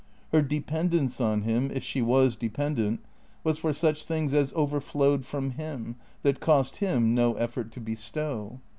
Her dependence on him, if she was de pendent, was for such things as overflowed from him, that cost him no effort to bestow.